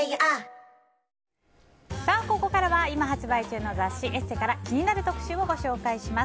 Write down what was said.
ここからは、今発売中の雑誌「ＥＳＳＥ」から気になる特集をご紹介します。